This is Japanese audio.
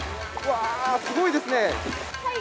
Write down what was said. わ、すごいですね。